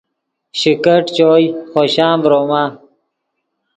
شکیٹ چوئے خوشان ڤروما